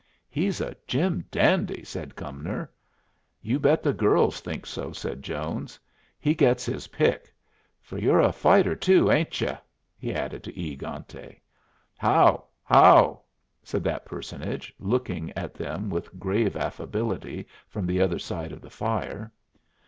"He's a jim dandy," said Cumnor. "You bet the girls think so," said Jones. "He gets his pick. For you're a fighter too, ain't y'u?" he added, to E egante. "How! how!" said that personage, looking at them with grave affability from the other side of the fire.